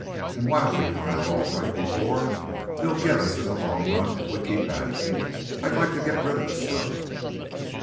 And while we come out all right before, they'll git us in the long run if we keep at it. I'd like to git rid of the stuff."